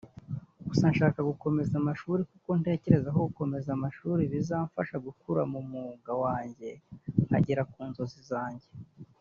Gusa nshaka gukomeza amashuri kuko ntekereza ko gukomeza amashuri bizamfasha gukura mu mwuga wanjye nkagera ku nzozi zanjye”